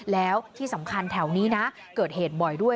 แล้วที่สำคัญแถวนี้นะเกิดเหตุบ่อยด้วย